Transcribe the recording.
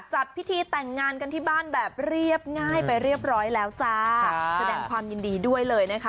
จัดพิธีแต่งงานกันที่บ้านแบบเรียบง่ายไปเรียบร้อยแล้วจ้าแสดงความยินดีด้วยเลยนะคะ